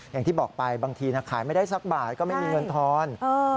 อย่างที่บอกไปบางทีขายไม่ได้สักบาทก็ไม่มีเงินทอน